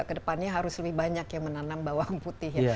kedepannya harus lebih banyak yang menanam bawang putih ya